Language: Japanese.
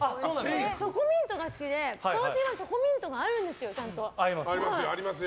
チョコミントが好きでサーティワンはチョコミントがあるんですよちゃんと。